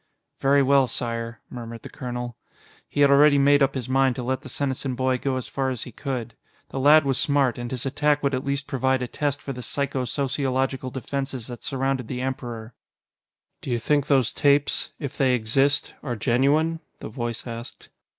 "Very well, Sire," murmured the colonel. He had already made up his mind to let the Senesin boy go as far as he could. The lad was smart, and his attack would at least provide a test for the psycho sociological defenses that surrounded the Emperor. "Do you think those tapes if they exist are genuine?" the voice asked.